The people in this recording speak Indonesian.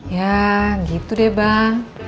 ya gitu deh bang